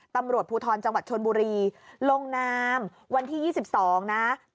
ตำรวจภูทรจังหวัดชนบุรีลงนามวันที่๒๒นะ